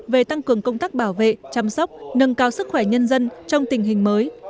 về tăng cường công tác bảo vệ chăm sóc nâng cao sức khỏe nhân dân trong tình hình mới